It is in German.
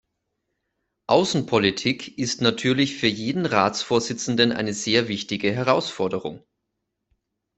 Außenpolitik ist natürlich für jeden Ratsvorsitzenden eine sehr wichtige Herausforderung.